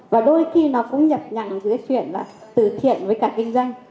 và đôi khi nó cũng nhập nhằn dưới chuyện và từ thiện với cả kinh doanh